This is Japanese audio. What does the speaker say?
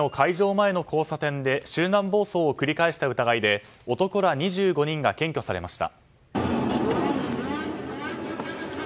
前の交差点で集団暴走を繰り返した疑いで男ら２５人が検挙されました。